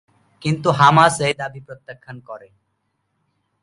কিন্তু হামাস এই দাবি প্রত্যাখ্যান করে।